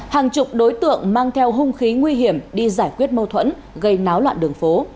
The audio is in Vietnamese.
hàng chục đối tượng mang theo hung khí nguy hiểm đi giải quyết mâu thuẫn gây náo loạn đường phố